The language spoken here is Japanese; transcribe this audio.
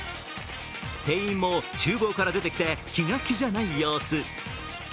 店員もちゅう房から出てきて気が気じゃない様子。